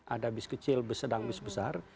ada bus kecil bus sedang bus besar